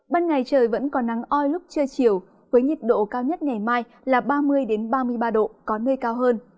ban ngày trời vẫn còn nắng oi lúc trưa chiều với nhiệt độ cao nhất ngày mai là ba mươi ba mươi ba độ có nơi cao hơn